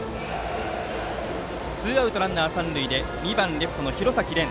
ツーアウトランナー三塁で２番、レフトの廣崎漣。